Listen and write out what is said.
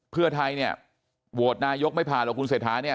เพื่อไทยเนี่ยโหวตนายกไม่ผ่านหรอกคุณเศรษฐาเนี่ย